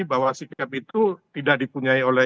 bahwa sikap itu tidak dipunyai oleh